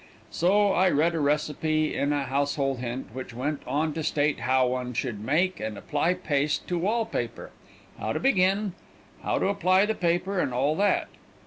So I read a recipe in a household hint, which went on to state how one should make and apply paste to wall paper, how to begin, how to apply the paper, and all that.